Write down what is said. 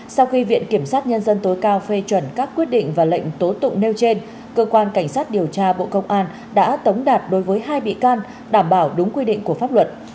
sau khi viện kiểm sát nhân dân tối cao phê chuẩn các quyết định và lệnh tố tụng nêu trên cơ quan cảnh sát điều tra bộ công an đã tống đạt đối với hai bị can đảm bảo đúng quy định của pháp luật